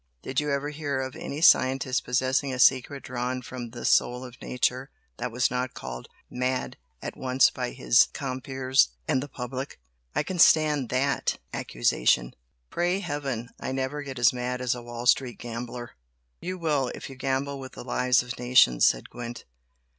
Did you ever hear of any scientist possessing a secret drawn from the soul of nature that was not called 'mad' at once by his compeers and the public? I can stand THAT accusation! Pray Heaven I never get as mad as a Wall Street gambler!" "You will, if you gamble with the lives of nations!" said Gwent.